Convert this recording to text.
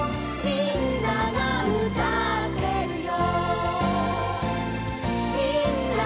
「みんながうたってるよ」